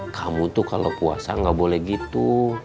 kamu tuh kalo puasa ga boleh gitu